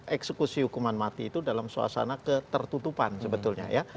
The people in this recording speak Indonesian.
eksekusi hukuman mati itu dalam suasana ketertutupan sebetulnya ya